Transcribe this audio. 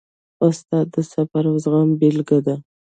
استاد د صبر او زغم بېلګه ده.